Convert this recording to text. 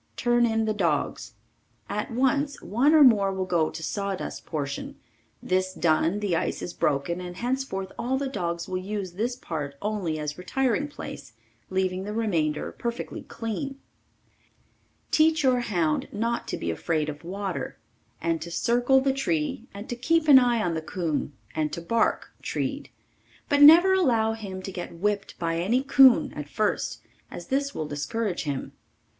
Turn in the dogs. At once one or more will go to sawdust portion, this done the ice is broken and henceforth all the dogs will use this part only as retiring place, leaving the remainder perfectly clean. Teach your hound not to be afraid of water, and to circle the tree and to keep an eye on the coon and to bark treed, but never allow him to get whipped by any coon at first as this will discourage him.